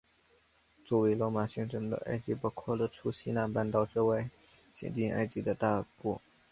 作为罗马行省的埃及包括了除西奈半岛之外现今埃及的大部。